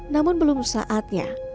namun belum saatnya